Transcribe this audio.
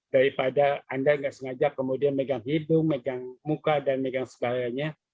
daripada anda nggak sengaja kemudian megang hidung megang muka dan megang segalanya